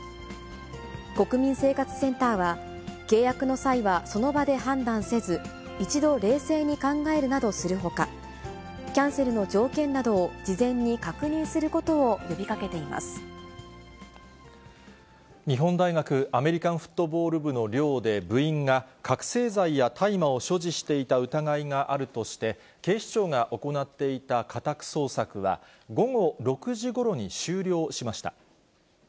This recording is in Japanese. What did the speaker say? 国民生活センターは、契約の際は、その場で判断せず、一度、冷静に考えるなどするほか、キャンセルの条件などを事前に確日本大学アメリカンフットボール部の寮で、部員が覚醒剤や大麻を所持していた疑いがあるとして、警視庁が行っていた家宅捜索は、午後６時ごろに終了しました。